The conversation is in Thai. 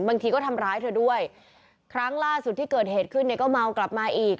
บางทีก็ทำร้ายเธอด้วยครั้งล่าสุดที่เกิดเหตุขึ้นเนี่ยก็เมากลับมาอีก